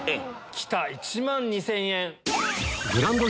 きた１万２０００円。